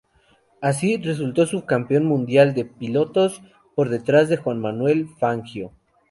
Así, resultó subcampeón mundial de pilotos, por detrás de Juan Manuel Fangio.